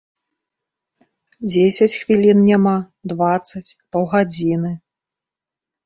Дзесяць хвілін няма, дваццаць, паўгадзіны.